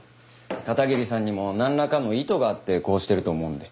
片桐さんにもなんらかの意図があってこうしてると思うんで。